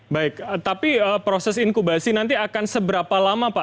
baik tapi proses inkubasi nanti akan seberapa lama pak